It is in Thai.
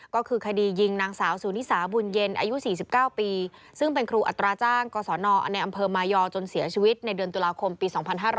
ก็คือคดียิงนางสาวสูนิสาบุญเย็นอายุ๔๙ปีซึ่งเป็นครูอัตราจ้างกศนในอำเภอมายอจนเสียชีวิตในเดือนตุลาคมปี๒๕๕๙